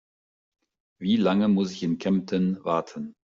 Wie lange muss ich in Kempten warten?